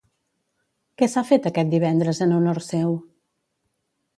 Què s'ha fet aquest divendres en honor seu?